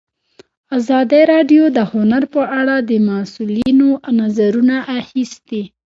ازادي راډیو د هنر په اړه د مسؤلینو نظرونه اخیستي.